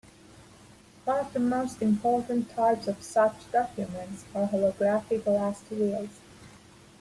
One of the most important types of such documents are holographic last wills.